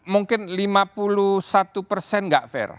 mungkin lima puluh satu tidak fair